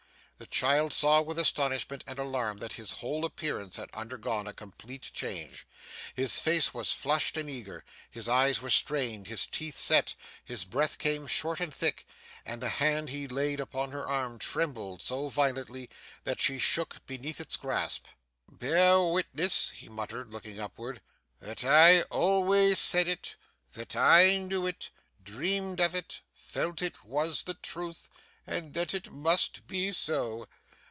The child saw with astonishment and alarm that his whole appearance had undergone a complete change. His face was flushed and eager, his eyes were strained, his teeth set, his breath came short and thick, and the hand he laid upon her arm trembled so violently that she shook beneath its grasp. 'Bear witness,' he muttered, looking upward, 'that I always said it; that I knew it, dreamed of it, felt it was the truth, and that it must be so!